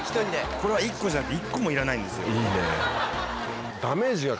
これは１個じゃなくて１個もいらないんですよ。